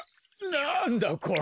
なんだこれ。